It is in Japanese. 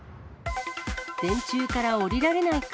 電柱から下りられない熊。